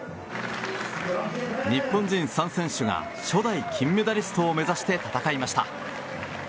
日本人３選手が初代金メダリストを目指して戦いました。